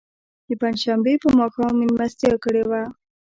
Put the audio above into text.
د پنج شنبې په ماښام میلمستیا کړې وه.